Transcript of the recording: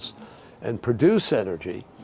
dan menghasilkan energi